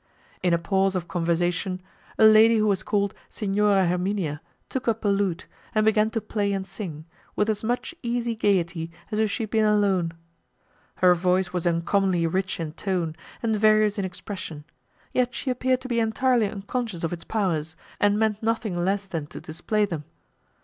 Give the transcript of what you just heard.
In a pause of conversation, a lady who was called Signora Herminia took up a lute, and began to play and sing, with as much easy gaiety, as if she had been alone. Her voice was uncommonly rich in tone, and various in expression; yet she appeared to be entirely unconscious of its powers, and meant nothing less than to display them.